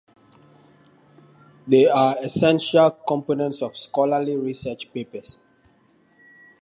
They are essential components of scholarly research papers.